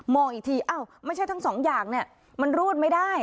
อีกทีอ้าวไม่ใช่ทั้งสองอย่างเนี่ยมันรูดไม่ได้